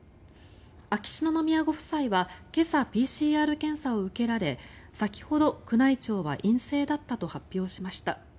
秋篠宮ご夫妻は今朝、ＰＣＲ検査を受けられ先ほど宮内庁は陰性だったと発表しました。